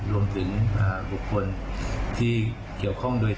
รวมถึงบุคคลที่เกี่ยวข้องโดย